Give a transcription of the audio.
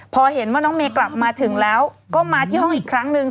พอเห็นว่าน้องเมย์กลับมาถึงแล้วก็มาที่ห้องอีกครั้งหนึ่ง